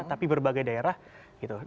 tapi berbagai daerah gitu